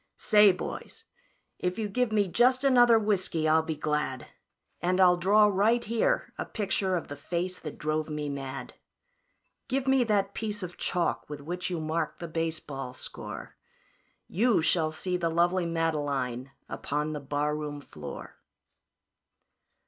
"Say, boys, if you give me just another whiskey I'll be glad, And I'll draw right here a picture of the face that drove me mad. Give me that piece of chalk with which you mark the baseball score You shall see the lovely Madeline upon the barroon floor."